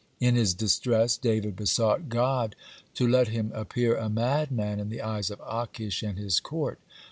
In his distress, David besought God to let him appear a madman in the eyes of Achish and his court.